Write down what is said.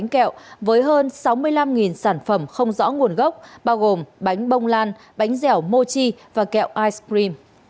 ba năm trăm linh kg thực phẩm không rõ nguồn gốc xuất xứ vừa bị tri cục quản lý thị trường tỉnh phát hiện bắt giữ